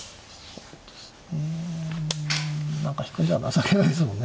何か引くじゃ情けないですもんね。